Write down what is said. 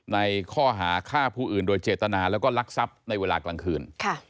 ในข้อหาฆ่าผู้อื่นโดยเจตนาแล้วก็ลักทรัพย์ในเวลากลางคืน